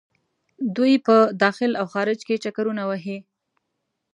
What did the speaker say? دوۍ په داخل او خارج کې چکرونه وهي.